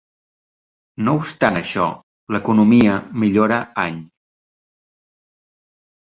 No obstant això, l'economia millora any.